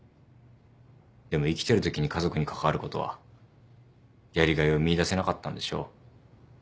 でも生きてるときに家族に関わることはやりがいを見いだせなかったんでしょう。